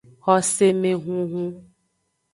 Xosemehunhun.